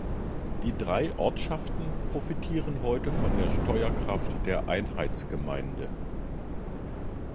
Die drei Ortschaften profitieren heute von der Steuerkraft der Einheitsgemeinde.